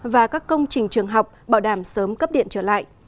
và các công trình trường học bảo đảm sớm cấp điện trở lại